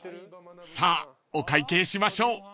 ［さあお会計しましょう］